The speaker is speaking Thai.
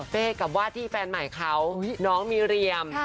เป้กับว่าที่แฟนใหม่เขาน้องมีเรียม